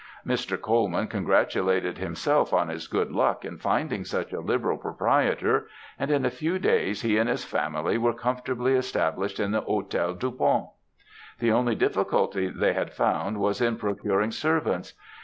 "Mr. Colman congratulated himself on his good luck in finding such a liberal proprietor, and in a few days he and his family were comfortably established in the Hôtel du Pont. The only difficulty they had found was in procuring servants.